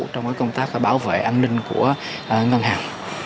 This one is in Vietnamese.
trong công tác bảo vệ an ninh của ngân hàng